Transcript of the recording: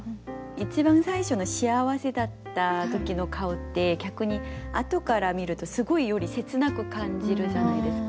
一番最初の幸せだった時の顔って逆にあとから見るとすごいより切なく感じるじゃないですか。